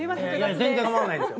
全然かまわないですよ。